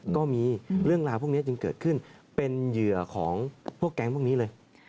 ก็มีเรื่องราวพวกนี้จึงเกิดขึ้นเป็นเหยื่อของพวกแก๊งพวกนี้เลย